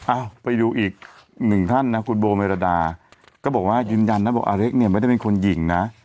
อ้าวไปดูอีกหนึ่งท่านนะคุณโบเมรดาก็บอกว่ายืนยันนะบอกอเล็กเนี่ยไม่ได้เป็นคนหญิงนะ